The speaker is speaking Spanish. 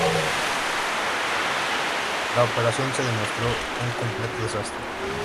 La operación se demostró un completo desastre.